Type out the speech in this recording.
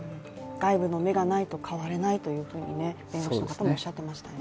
外部の目がないと変われないと弁護士の方もおっしゃっていましたね。